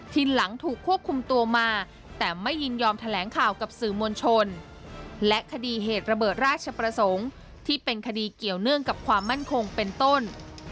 ทีหลังถูกควบคุมตัวมาแต่ไม่ยินยอมแถลงข่าวกับสื่อมวลชนและคดีเหตุระเบิดราชประสงค์ที่เป็นคดีเกี่ยวเนื่องกับความมั่นคงเป็นต้น